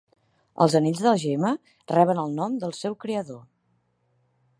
Els anells de Gemma reben el nom del seu creador.